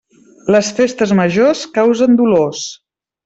Les festes majors causen dolors.